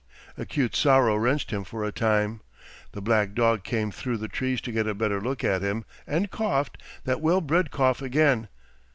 Acute sorrow wrenched him for a time. The black dog came through the trees to get a better look at him and coughed that well bred cough again.